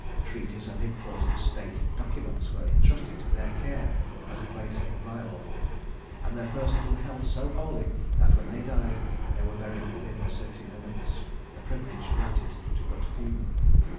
Treaties and important state documents were intrusted to their care as in a place inviolable; and their persons were held so holy that, when they died, they were buried within the city limits a privilege granted to but few.